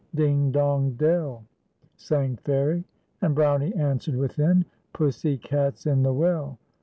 " Ding, dong, dell," sang Fairie, and Brownie answered within, " Pussy cat's in the well."